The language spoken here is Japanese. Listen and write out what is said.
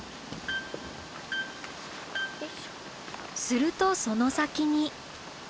するとその先に。